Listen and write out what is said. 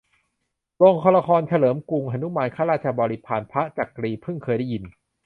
โรงละครเฉลิมกรุง :"หนุมานข้าราชบริพารพระจักรี" เพิ่งเคยได้ยิน